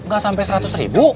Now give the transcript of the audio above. gak sampai seratus ribu